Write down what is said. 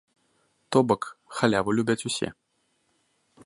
То бок, халяву любяць усе.